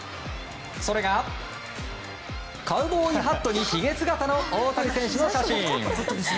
それがカウボーイハットにひげ姿の大谷選手の写真。